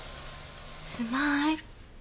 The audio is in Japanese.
スマイル。